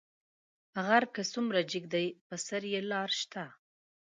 غر کۀ څومره جګ دى، پۀ سر يې لار شته.